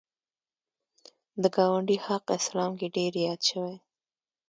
د ګاونډي حق اسلام کې ډېر یاد شوی